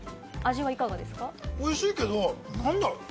おいしいけれども、何だろう。